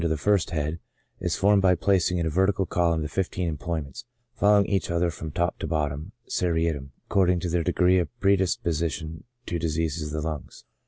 Table A (under first head) is formed by placing in a ver tical column the fifteen employments, following each other from top to bottom seriatim^ according to their degree of predisposition to diseases of the lungs.